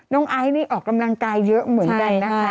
ไอซ์นี่ออกกำลังกายเยอะเหมือนกันนะคะ